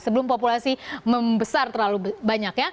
sebelum populasi membesar terlalu banyak ya